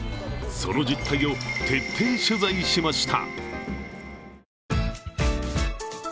その実態を徹底取材しました。